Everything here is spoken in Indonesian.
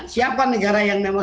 siapa negara yang memang